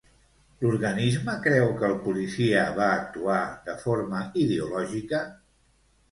L'organisme creu que el policia va actuar de forma ideològica?